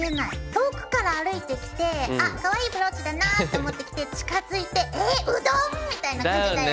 遠くから歩いてきて「あっかわいいブローチだなぁ」。って思ってきて近づいて「えっ⁉うどん？」みたいな感じだよね。